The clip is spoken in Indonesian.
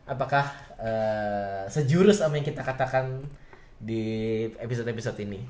apakah sejurus sama yang kita katakan di episode episode ini